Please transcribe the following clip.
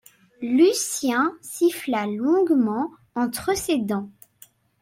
Lucien siffla longuement entre ses dents.